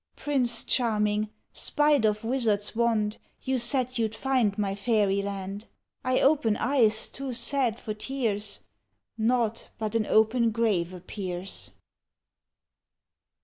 Prince Charming, spite ol wizard's wand. You said you 'd And my fairyland. I open eyes too sad for tears. Nought but an open grave appears.